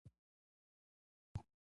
خو تږي شوي يو اوبۀ راباندې وڅښوه ـ